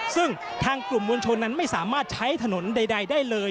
ซึ่งทางกลุ่มมวลชนนั้นไม่สามารถใช้ถนนใดได้เลย